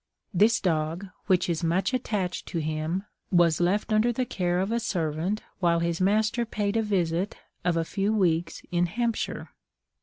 This dog, which is much attached to him, was left under the care of a servant while his master paid a visit of a few weeks in Hampshire.